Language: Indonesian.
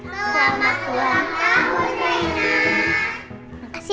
selamat ulang tahun reina